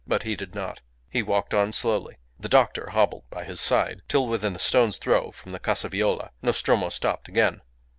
But he did not. He walked on slowly. The doctor hobbled by his side till, within a stone's throw from the Casa Viola, Nostromo stopped again.